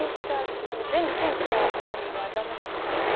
何か全部信じちゃったりは駄目なのかなって。